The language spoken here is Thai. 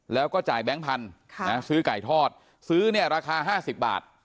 แล้วก็จ่ายแบงค์พันธุ์ซื้อไก่ทอดซื้อเนี่ยราคา๕๐บาท